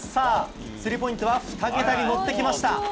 スリーポイントは２桁に乗ってきました。